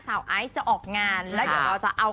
เพราะว่ามีเพื่อนซีอย่างน้ำชาชีระนัทอยู่เคียงข้างเสมอค่ะ